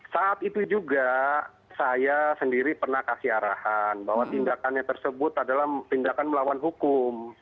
saat itu juga saya sendiri pernah kasih arahan bahwa tindakannya tersebut adalah tindakan melawan hukum